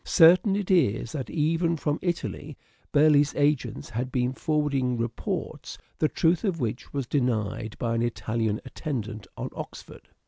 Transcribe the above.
Certain it is that even from Italy Burleigh's agents had been forwarding reports the truth of which was denied by an Italian attendant on Oxford.